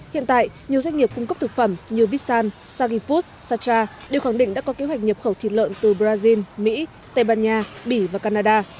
hiện tại nhiều doanh nghiệp cung cấp thực phẩm như vissan sagifood sacha đều khẳng định đã có kế hoạch nhập khẩu thịt lợn từ brazil mỹ tây ban nha bỉ và canada